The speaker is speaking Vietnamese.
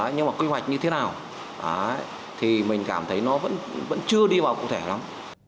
nhưng mà quy hoạch như thế nào thì mình cảm thấy nó vẫn chưa đi vào cụ thể lắm